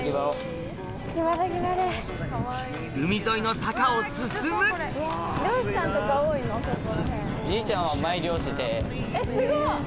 海沿いの坂を進むすごっ！